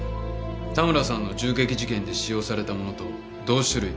田村さんの銃撃事件で使用されたものと同種類